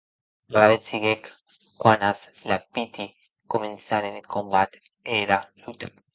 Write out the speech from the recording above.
Alavetz siguec quan es lapiti comencèren eth combat e era luta.